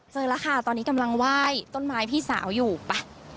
เจอแล้วค่ะตอนนี้กำลังไหว้ต้นไม้พี่สาวอยู่ไป